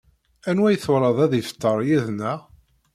Anwa i twalaḍ ad ifteṛ yid-neɣ?